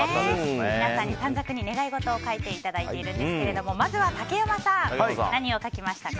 皆さんに短冊に願い事を書いていただいているんですがまずは、竹山さん何を書きましたか？